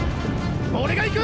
俺が行く！